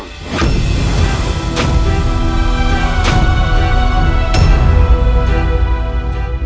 rada kian santan